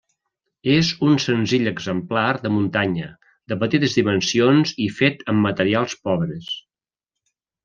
És un senzill exemplar de muntanya, de petites dimensions i fet amb materials pobres.